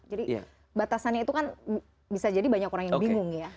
jadi batasannya itu kan bisa jadi banyak orang yang bingung ya